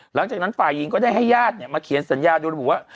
หลังจากนั้นฝ่ายหญิงก็ได้ให้ญาติมาเขียนสัญญาโดยระบุว่า